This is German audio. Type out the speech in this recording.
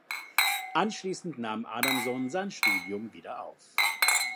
Anschließend nahm Adamson sein Studium wieder auf.